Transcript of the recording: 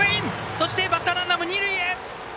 そしてバッターランナーも二塁へ。